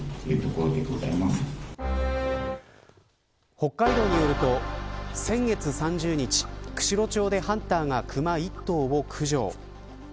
北海道によると先月３０日釧路町でハンターがクマ１頭を駆除。